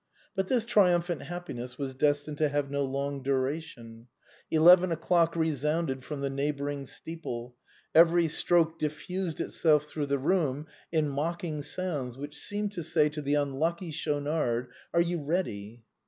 But this triumphant happiness was des tined to have no long duration. Eleven o'clock resounded from the neighboring steeple. Every stroke diffused itself through the room in mocking sounds which seemed to say to the unlucky Schaunard, " Are you ready